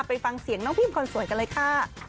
ไปฟังเสียงน้องพิมคนสวยกันเลยค่ะ